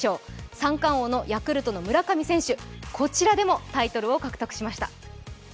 三冠王のヤクルトの村上選手、こちらでもタイトルを獲得しました。